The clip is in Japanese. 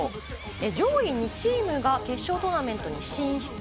上位２チームが決勝トーナメントに進出。